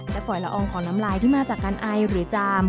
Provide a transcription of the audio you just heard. หรือพ่อยละอองของน้ำลายที่มาจากอายหรือจาม